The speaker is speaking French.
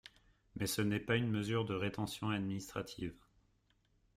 Mais ce n’est pas une mesure de rétention administrative.